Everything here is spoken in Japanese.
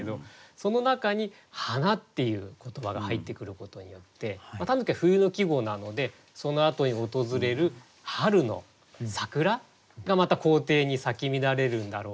その中に「花」っていう言葉が入ってくることによって「狸」は冬の季語なのでそのあとに訪れる春の桜がまた校庭に咲き乱れるんだろうなって。